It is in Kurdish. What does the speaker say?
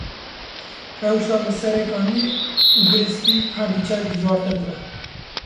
Rewşa li Serê Kaniyê û Girê Spî her diçe dijwartir dibe.